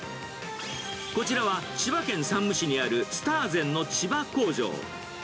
こちらは千葉県山武市にあるスターゼンの千葉工場。